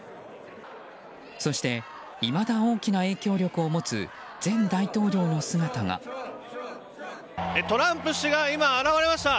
そしていまだ大きな影響力を持つトランプ氏が現れました。